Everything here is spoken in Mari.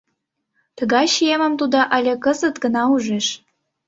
Тыгай чиемым тудо але кызыт гына ужеш.